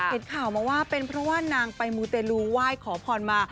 เห็นข่าวมาว่าเป็นเพราะว่านางไปมูเตลูไหว้ขอพรมา